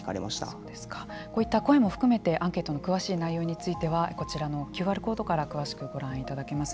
こういった声も含めてアンケートの詳しい内容についてはこちらのＱＲコードからご覧いただけます。